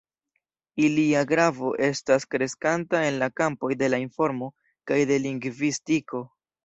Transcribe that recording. Ilia gravo estas kreskanta en la kampoj de la informo kaj de lingvistiko.